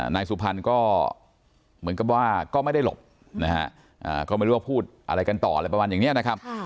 นายสุพรรณก็เหมือนกับว่าก็ไม่ได้หลบนะฮะก็ไม่รู้ว่าพูดอะไรกันต่ออะไรประมาณอย่างนี้นะครับ